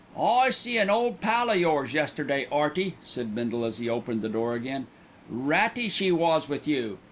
"I see an ole pal o' yours yesterday, 'Earty," said Bindle as he opened the door again. "Ratty she was with you.